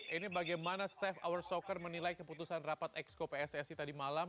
ini bagaimana safe hour soccer menilai keputusan rapat exco pssi tadi malam